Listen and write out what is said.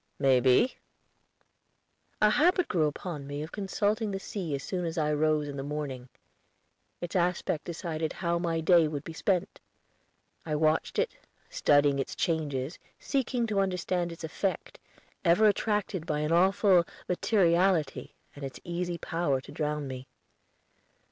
"May be." A habit grew upon me of consulting the sea as soon as I rose in the morning. Its aspect decided how my day would be spent. I watched it, studying its changes, seeking to understand its effect, ever attracted by an awful materiality and its easy power to drown me.